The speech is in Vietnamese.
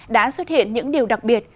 đã xuất hiện những điều đặc biệt